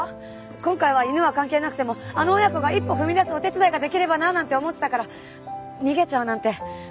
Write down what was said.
今回は犬は関係なくてもあの親子が一歩踏み出すお手伝いができればなあなんて思ってたから逃げちゃうなんて。